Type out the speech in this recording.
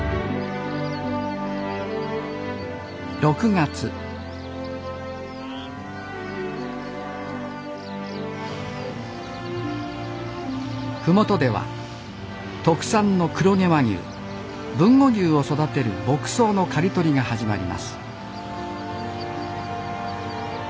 ６月麓では特産の黒毛和牛豊後牛を育てる牧草の刈り取りが始まります